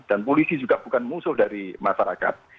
dan polisi juga bukan musuh dari masyarakat